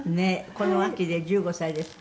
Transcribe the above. この秋で１５歳ですって？」